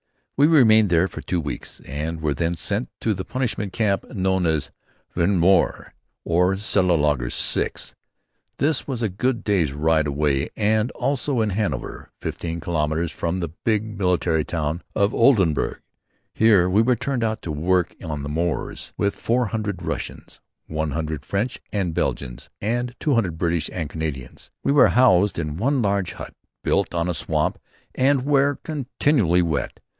We remained there for two weeks and were then sent to the punishment camp known as Vehnmoor or Cellelaager 6. This was a good day's ride away and also in Hanover, fifteen kilometres from the big military town of Oldenburg. Here we were turned out to work on the moors with four hundred Russians, one hundred French and Belgians and two hundred British and Canadians. We were housed in one large hut built on a swamp and were continually wet.